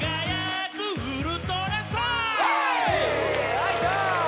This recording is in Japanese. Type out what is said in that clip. よいしょ！